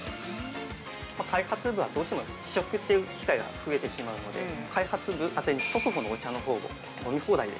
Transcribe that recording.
◆開発部は、どうしても試食という機会が増えてしまうので、開発部宛てに、トクホのお茶のほうを、飲み放題で。